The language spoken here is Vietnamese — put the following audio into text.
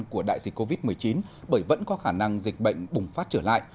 của đại dịch covid một mươi chín bởi vẫn có khả năng dịch bệnh bùng phát trở lại